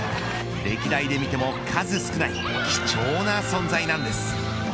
歴代で見ても、数少ない貴重な存在なんです。